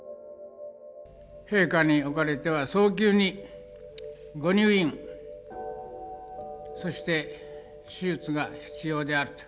陛下におかれては、早急にご入院、そして手術が必要であると。